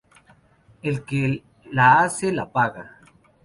El que la hace, la paga